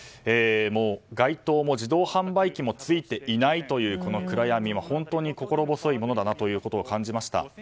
街灯も自動販売機もついていないという暗闇は本当に心細いものだなと感じました。